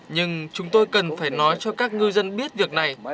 nhưng chúng tôi cần phải nói cho các ngư dân biết việc này